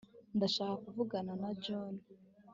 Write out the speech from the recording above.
ndashaka kuvugana na john